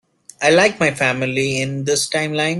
I like my family in this timeline.